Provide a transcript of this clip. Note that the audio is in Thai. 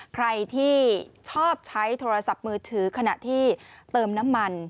ใครที่ชอบใช้โทรศัพท์มือถือขณะที่เติมน้ำมัน